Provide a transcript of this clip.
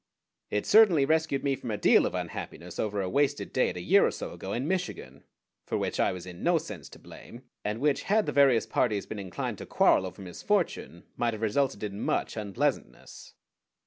It certainly rescued me from a deal of unhappiness over a wasted date a year or so ago in Michigan, for which I was in no sense to blame, and which, had the various parties been inclined to quarrel over misfortune, might have resulted in much unpleasantness.